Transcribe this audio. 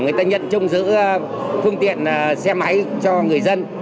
người ta nhận trông giữ phương tiện xe máy cho người dân